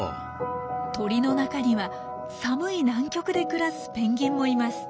鳥の中には寒い南極で暮らすペンギンもいます。